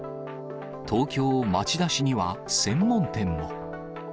東京・町田市には、専門店も。